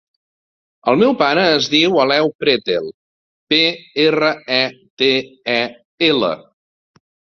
El meu pare es diu Aleu Pretel: pe, erra, e, te, e, ela.